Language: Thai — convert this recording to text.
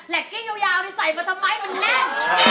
แหลกกี้ยาวใส่มาทำไมมันแน่น